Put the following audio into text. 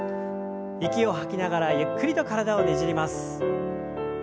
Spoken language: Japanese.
息を吐きながらゆっくりと体をねじります。